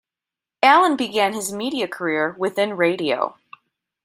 Alan began his media career within radio.